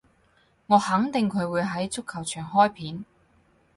我肯定佢會喺足球場開片